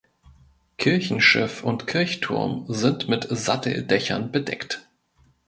Kirchenschiff und Kirchturm sind mit Satteldächern bedeckt.